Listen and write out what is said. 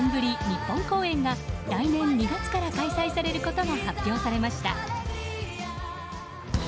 日本公演が来年２月から開催されることが発表されました。